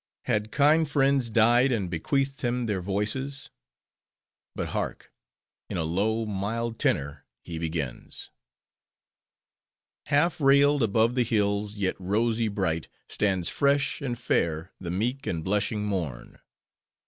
Had kind friends died, and bequeathed him their voices? But hark! in a low, mild tenor, he begins:— Half railed above the hills, yet rosy bright, Stands fresh, and fair, the meek and blushing morn!